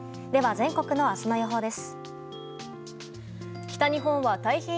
全国の明日の予報です。